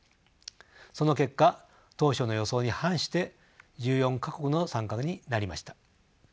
その結果当初の予想に反して１４か国の参加になりました。